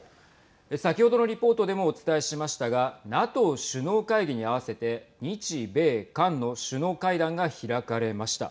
先ほどのリポートでもお伝えしましたがＮＡＴＯ首脳会議に合わせて日米韓の首脳会談が開かれました。